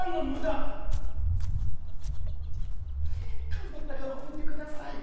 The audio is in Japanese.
「頑張ったから褒めて下さい」